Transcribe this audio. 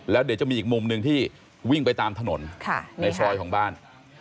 แล้วเดี๋ยวจะมีอีกมุมหนึ่งที่วิ่งไปตามถนนในซอยของบ้าน